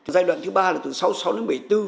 giai đoạn thứ ba là từ sáu mươi sáu đến bảy mươi bốn